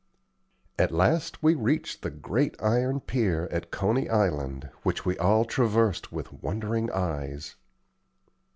At last we reached the great Iron Pier at Coney Island, which we all traversed with wondering eyes.